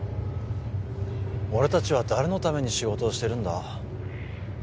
俺達は誰のために仕事をしてるんだ？